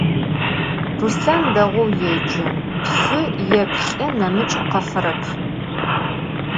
Ruslhan değou yêce, tfı yê plh'ı nemıç' khıhırep.